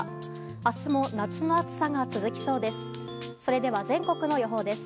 明日も夏の暑さが続きそうです。